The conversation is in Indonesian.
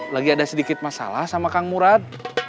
lagi ada sedikit masalah sama kang murad